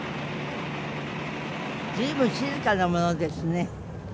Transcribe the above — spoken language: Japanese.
随分静かなものですね。